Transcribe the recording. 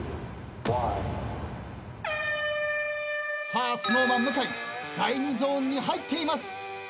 さあＳｎｏｗＭａｎ向井第２ゾーンに入っています。